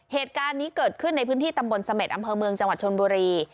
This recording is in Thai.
เหตุการณ์นี้เกิดขึ้นในพื้นที่ตำบลเสม็ดอำเภอเมืองจังหวัดชนบุรี